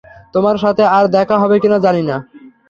তোমার সাথে আর দেখা হবে কি-না জানি না।